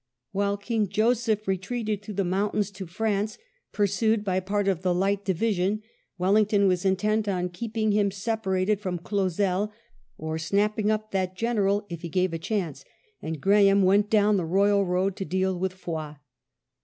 While King Joseph retreated through the mountains to France pursued by part of the Light Division, Wellington was intent on keeping him separated from Clausel, or snapping up that General if he gave a chance; and Graham went down the royal road to deal with Foy.